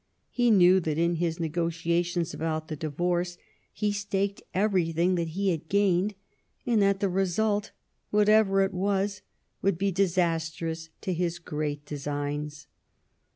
He knew that in his negotiations about the divorce he staked everything that he had gained, and that the result, whatever it was, would be disastrous to his great designs.